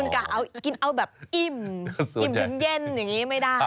กะเอากินเอาแบบอิ่มอิ่มถึงเย็นอย่างนี้ไม่ได้